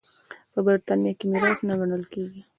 په برېټانیا کې میراث نه ګڼل کېږي.